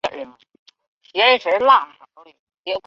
深山双盖蕨为蹄盖蕨科双盖蕨属下的一个种。